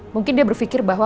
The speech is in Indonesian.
mungkin dia berpikir bahwa